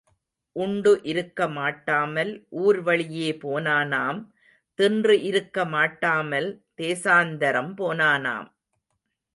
உண்டு இருக்க மாட்டாமல் ஊர் வழியே போனானாம் தின்று இருக்க மாட்டாமல் தேசாந்தரம் போனானாம்.